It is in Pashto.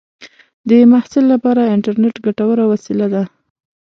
د محصل لپاره انټرنېټ ګټوره وسیله ده.